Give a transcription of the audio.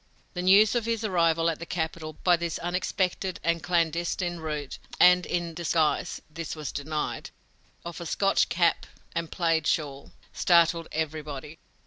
The news of his arrival at the capital by this unexpected and clandestine route, and in disguise this was denied of a Scotch cap and plaid shawl, startled everybody.